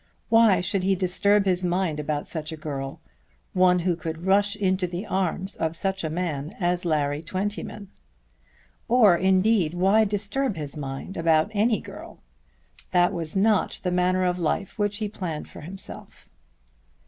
Why should he disturb his mind about such a girl, one who could rush into the arms of such a man as Larry Twentyman? Or, indeed, why disturb his mind about any girl? That was not the manner of life which he planned for himself.